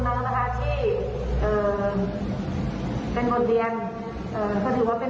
มันเป็นครั้งแรกที่มนตร์อาจจะทำอะไรอาจจะทำไว้คาดไม่ถึงในสิ่งที่มันเกิดขึ้น